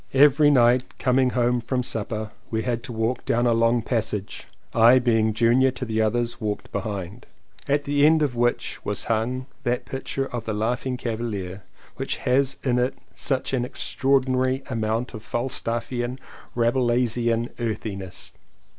Every night coming from supper we had to walk down a long passage (I being junior to the others walked behind) at the end of which was hung that picture of the Laugh ing Cavalier which has in it such an extra ordinary amount of Falstaffian, Rabelaisian earthiness.